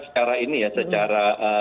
secara ini ya secara